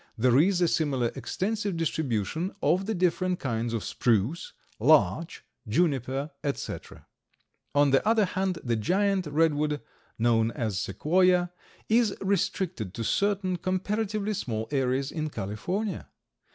There is a similar extensive distribution of the different kinds of spruce, larch, juniper, etc. On the other hand, the giant redwood, known as Sequoia, is restricted to certain comparatively small areas in California.